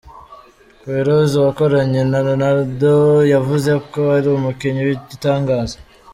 Queiroz wakoranye na Ronaldo yavuze ko ari umukinnyi w’igitangaza.